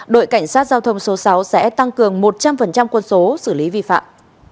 đội cảnh sát giao thông số sáu sẽ tăng cường một trăm linh quân số xử lý vi phạm